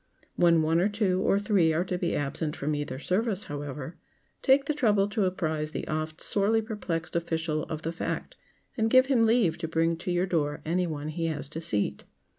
When one or two, or three, are to be absent from either service, however, take the trouble to apprise the oft sorely perplexed official of the fact, and give him leave to bring to your door any one he has to seat.